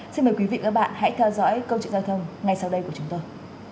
xin mời quý vị và các bạn hãy theo dõi câu chuyện giao thông ngay sau đây của chúng tôi